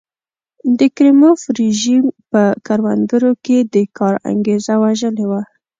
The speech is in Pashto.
د کریموف رژیم په کروندګرو کې د کار انګېزه وژلې وه.